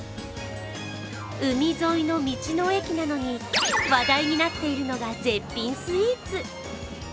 海沿いの道の駅なのに、話題になっているのが絶品スイーツ。